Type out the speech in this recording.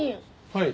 はい。